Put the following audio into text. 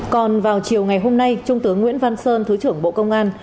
còn vào chiều ngày hôm nay trung tướng nguyễn văn sơn thứ trưởng bộ công an